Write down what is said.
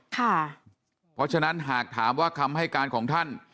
เพราะฉะนั้นหากถามว่าคำให้การของท่าน